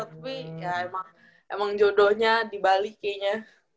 tapi ya emang jodohnya di bali kayaknya